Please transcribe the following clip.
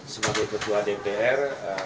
sebagai ketua dpr